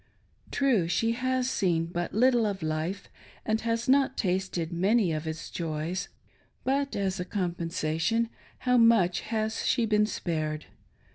True, she has seen but little of life, and has not tasted many of its joys ; but, as a compensation, how much has she been spared.